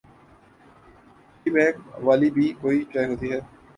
T bag والی بھی کوئی چائے ہوتی ہے؟